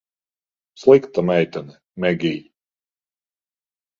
Slikta meitene, Megij.